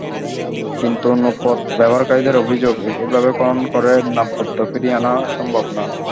কিন্তু নৌপথ ব্যবহারকারীদের অভিযোগ, এভাবে খনন করে নাব্যতা ফিরিয়ে আনা সম্ভব নয়।